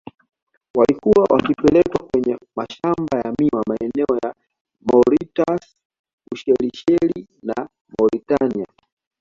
Walikuwa wakipelekwa kwenye mashamba ya miwa maeneo ya Mauritius Ushelisheli na Mauritania